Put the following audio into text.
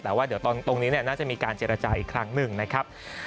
แต่ว่าเดี๋ยวตรงนี้น่าจะมีการเจรจาอีกครั้งหนึ่งนะครับ